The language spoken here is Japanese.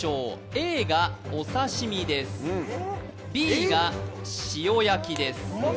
Ａがお刺身です、Ｂが塩焼きです。